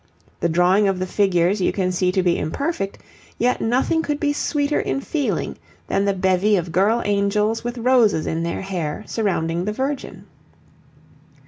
The drawing of the figures you can see to be imperfect, yet nothing could be sweeter in feeling than the bevy of girl angels with roses in their hair surrounding the Virgin.